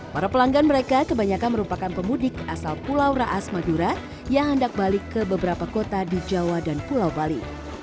para pelanggan mereka kebanyakan merupakan pemudik asal pulau raas madura yang hendak balik ke beberapa kota di jawa dan pulau bali